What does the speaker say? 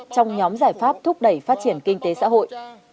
trong nhóm giải pháp thúc đẩy phát triển kinh tế xã hội